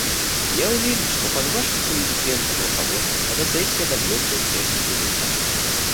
Я уверен, что под Вашим компетентным руководством эта сессия добьется успешных результатов.